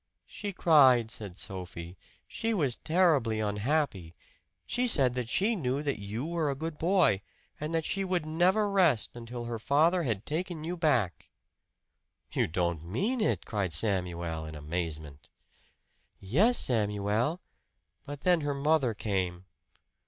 "She cried," said Sophie. "She was terribly unhappy. She said that she knew that you were a good boy; and that she would never rest until her father had taken you back." "You don't mean it!" cried Samuel in amazement. "Yes, Samuel; but then her mother came."